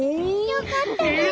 よかったね。